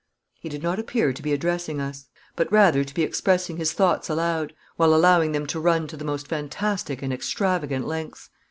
He did not appear to be addressing us, but rather to be expressing his thoughts aloud, while allowing them to run to the most fantastic and extravagant lengths.